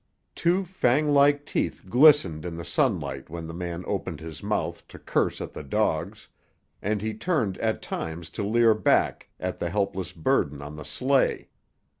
Two fang like teeth glistened in the sunlight when the man opened his mouth to curse at the dogs, and he turned at times to leer back at the helpless burden on the sleigh.